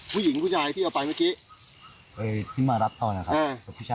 ผู้หญิงผู้ชายที่เอาไปเมื่อกี้เอ่ยที่มารับต่อนะครับพี่ชาย